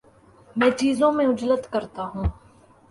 میں چیزوں میں عجلت کرتا ہوں